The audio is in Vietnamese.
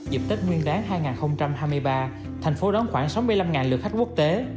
dịp tết nguyên đáng hai nghìn hai mươi ba thành phố đón khoảng sáu mươi năm lượt khách quốc tế